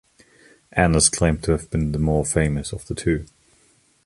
Anne is claimed to have been the more famous of the two.